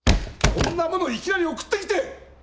こんなものいきなり送ってきて！